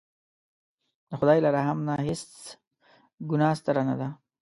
د خدای له رحم نه هېڅ ګناه ستره نه ده.